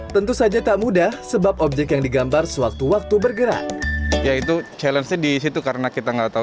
tentu saja tak mudah sebab objek yang digambar sewaktu waktu bergerak